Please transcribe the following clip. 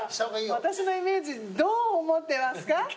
私のイメージどう思ってますか？